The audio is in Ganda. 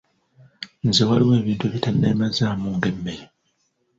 Nze waliwo ebintu ebitanneemazaamu ng’emmere.